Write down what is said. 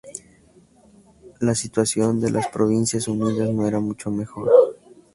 La situación de las Provincias Unidas no era mucho mejor.